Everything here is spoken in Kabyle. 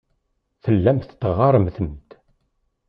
Tellamt teɣɣaremt-d.